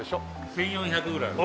１４００ぐらいある。